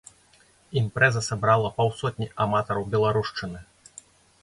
Імпрэза сабрала паўсотні аматараў беларушчыны.